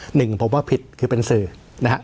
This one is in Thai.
หนึ่งผมว่าผิดคือเป็นสื่อนะฮะ